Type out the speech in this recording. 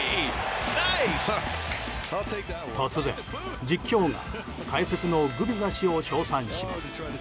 突然、実況が解説のグビザ氏を称賛します。